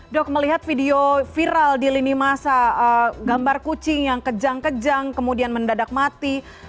dok melihat video viral di lini masa gambar kucing yang kejang kejang kemudian mendadak mati